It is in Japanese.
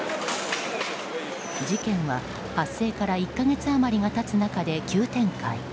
事件は発生から１か月余りが経つ中で急展開。